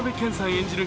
演じる